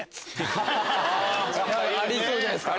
ありそうじゃないですか。